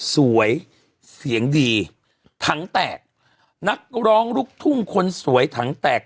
สวยเสียงดีถังแตกนักร้องลูกทุ่งคนสวยถังแตก